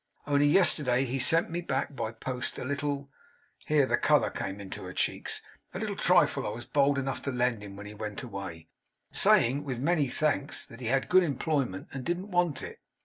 Only yesterday he sent me back, by post, a little' here the colour came into her cheeks 'a little trifle I was bold enough to lend him when he went away; saying, with many thanks, that he had good employment, and didn't want it.